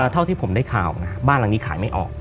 เท่าที่ผมได้ข่าวนะบ้านหลังนี้ขายไม่ออก